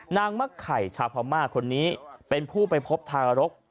มักไข่ชาวพม่าคนนี้เป็นผู้ไปพบทารก